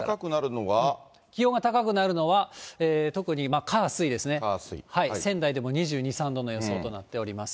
気温が高くなるのは、特に火、水ですね、仙台でも２２、３度の予想となっております。